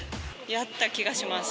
やった気がします。